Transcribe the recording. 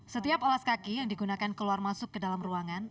setiap alas kaki yang digunakan keluar masuk ke dalam ruangan